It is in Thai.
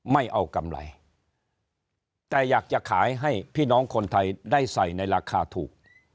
ไม่เอากำไรแต่อยากจะขายให้พี่น้องคนไทยได้ใส่ในราคาถูก